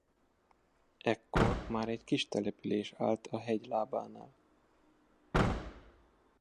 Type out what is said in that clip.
Ekkor már egy kis település állt a hegy lábánál.